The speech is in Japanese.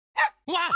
わっ！